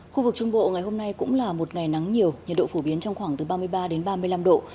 khu vực trung bộ ngày hôm nay cũng là một ngày nắng nhiều nhiệt độ phổ biến trong khoảng từ ba mươi ba đến ba mươi năm độ